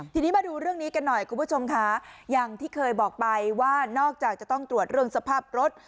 ทีนี้มาดูเรื่องนี้กันหน่อยคุณผู้ชมค่ะอย่างที่เคยบอกไปว่านอกจากจะต้องตรวจเรื่องสภาพรถ